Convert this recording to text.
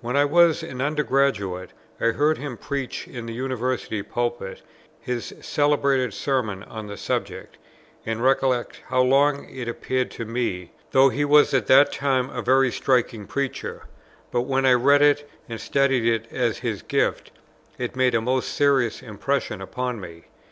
When I was an Under graduate, I heard him preach in the University Pulpit his celebrated sermon on the subject, and recollect how long it appeared to me, though he was at that time a very striking preacher; but, when I read it and studied it as his gift, it made a most serious impression upon me.